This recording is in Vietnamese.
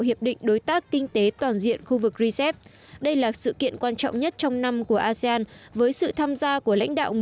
hiệp định đối tác kinh tế toàn diện khu vực rcep đây là sự kiện quan trọng nhất trong năm của asean với sự tham gia của lãnh đạo